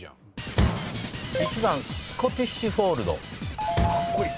１番スコティッシュフォールド。